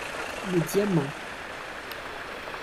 Le diamant.